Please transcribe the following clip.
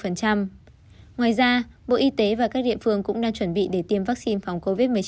ngoài ra bộ y tế và các địa phương cũng đang chuẩn bị để tiêm vaccine phòng covid một mươi chín